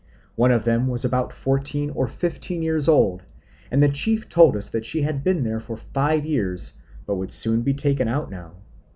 One of them was about fourteen or fifteen years old, and the chief told us that she had been there for five years, but would soon be taken out now.